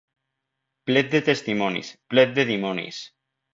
Plet de testimonis, plet de dimonis.